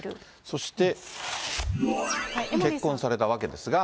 そして、結婚されたわけですが。